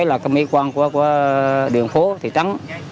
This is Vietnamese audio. là mỹ quân của đường phố thị trắng